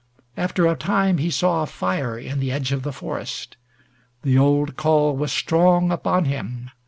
After a time he saw a fire in the edge of the forest. The old call was strong upon him.